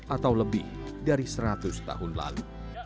atau lebih dari seratus tahun lalu